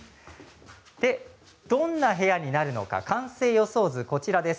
どんな部屋になるのか完成予想図がこちらです。